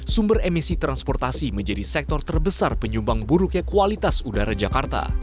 sumber emisi transportasi menjadi sektor terbesar penyumbang buruknya kualitas udara jakarta